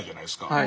はい。